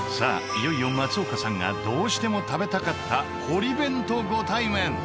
いよいよ松岡さんがどうしても食べたかった堀弁とご対面！